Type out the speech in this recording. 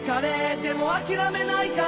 「でも諦めないから」